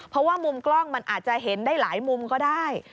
เพราะว่ามุมกล้องมันอาจจะเห็นได้หลายมุมก็ได้